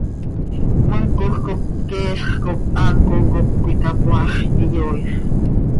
Cmaacoj cop queelx cop haaco cop cöitapoaax, iyooix.